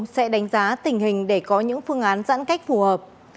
sẽ đánh giá tình hình để có những phương án giãn cách phù hợp